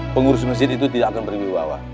pengurus masjid itu tidak akan berwibawa